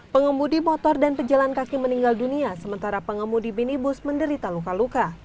pengemudi motor dan pejalan kaki meninggal dunia sementara pengemudi minibus menderita luka luka